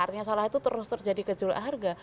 artinya salah itu terus terus jadi kejualan harga